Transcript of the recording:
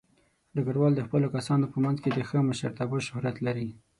ډګروال د خپلو کسانو په منځ کې د ښه مشرتابه شهرت لري.